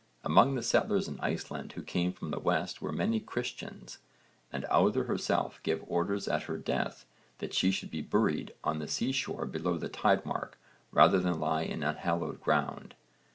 Among the settlers in Iceland who came from the West were many Christians, and Auðr herself gave orders at her death that she should be buried on the sea shore below the tide mark, rather than lie in unhallowed ground.